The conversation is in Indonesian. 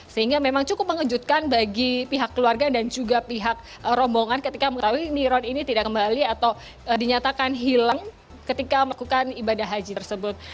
sehingga memang cukup mengejutkan bagi pihak keluarga dan juga pihak rombongan ketika mengetahui niron ini tidak kembali atau dinyatakan hilang ketika melakukan ibadah haji tersebut